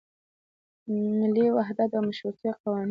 ملي وحدت او مشروطیه قوانین.